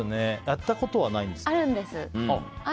やったことはないんですか？